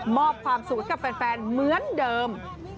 มอบความสุขให้กับแฟนเหมือนเดิม